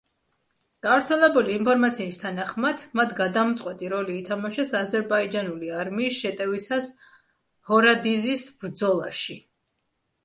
გავრცელებული ინფორმაციის თანახმად, მათ გადამწყვეტი როლი ითამაშეს აზერბაიჯანული არმიის შეტევისას ჰორადიზის ბრძოლაში.